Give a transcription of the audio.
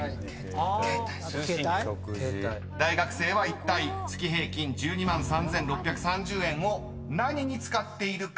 ［大学生はいったい月平均１２万３，６３０円を何に使っているか。